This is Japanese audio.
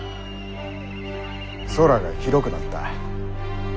空が広くなった。